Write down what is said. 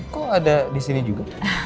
kok ada disini juga